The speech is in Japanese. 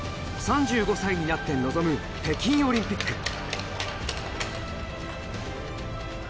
３５歳になって臨む北京オリンピック。